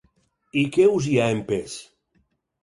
I què us hi ha empès?